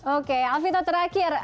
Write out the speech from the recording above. oke alfito terakhir